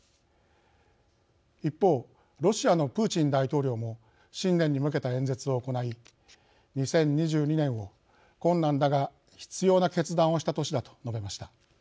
一方、ロシアのプーチン大統領も新年に向けた演説を行い２０２２年を「困難だが必要な決断をした年」だと述べました。